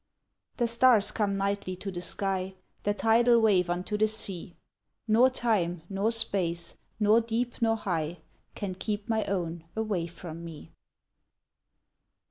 The stars come nightly to the sky; The tidal wave unto the sea; Nor time, nor space, nor deep, nor high, Can keep my own away from me.